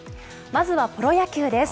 まずはプロ野球です。